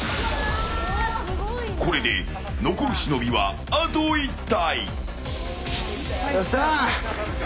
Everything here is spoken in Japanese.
これで残る忍はあと１体。